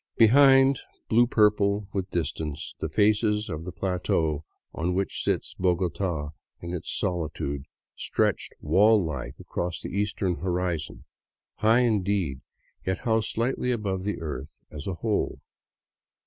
Behind, blue purple with distance, the face of the plateau on which sits Bogota in its solitude, stretched wall like across the eastern horizon, high indeed, yet how slightly above the earth as a whole.